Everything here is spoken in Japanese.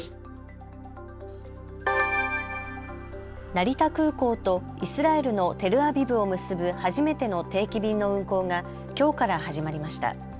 成田空港とイスラエルのテルアビブを結ぶ初めての定期便の運航がきょうから始まりました。